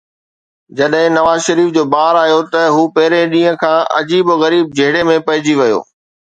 جڏهن نواز شريف جو بار آيو ته هو پهرئين ڏينهن کان عجيب و غريب جهيڙي ۾ پئجي ويو.